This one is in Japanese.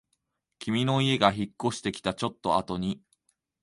君の家が引っ越してきたちょっとあとに